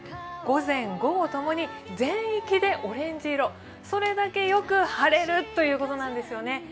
午前、午後ともに全域でオレンジ色それだけよく晴れるということなんですよね。